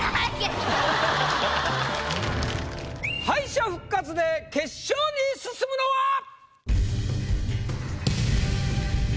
敗者復活で決勝に進むのは！